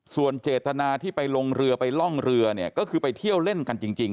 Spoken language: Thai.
ส่วนเจตนาที่ไปลงเรือไปล่องเรือเนี่ยก็คือไปเที่ยวเล่นกันจริง